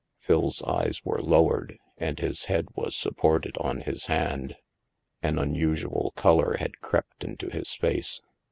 '' Phil's eyes were lowered, and his head was sup ported on his hand. An unusual color had crept into his face.